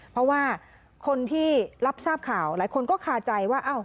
เพราะว่าคนที่รับทราบข่าวหลายคนก็คาใจว่า